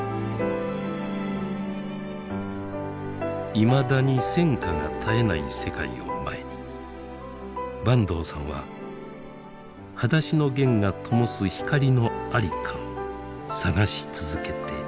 いまだに戦火が絶えない世界を前に坂東さんは「はだしのゲン」がともす光の在りかを探し続けています。